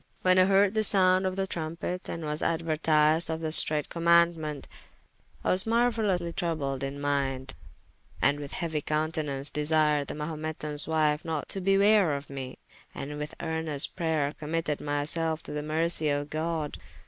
When I hearde the sounde of the trumpet, and was aduertised of the streight commaundement, I was marueylously troubled in minde, and with heauy countenaunce desired the Mahumetans wife not to bewraye me, and with earnest prayer committed myselfe to the mercie of God.